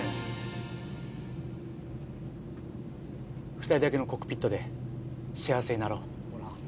２人だけのコックピットで幸せになろう。